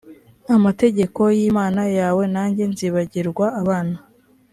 amategeko y imana yawe nanjye nzibagirwa abana